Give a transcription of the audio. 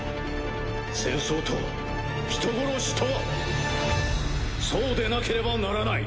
戦争とは人殺しとはそうでなければならない。